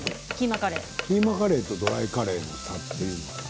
キーマカレーとドライカレーの差は何ですか。